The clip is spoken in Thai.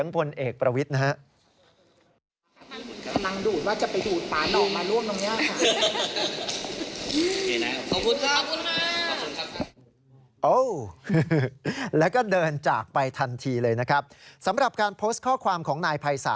พลเอกประวิทธิ์บอกว่าโอ้ว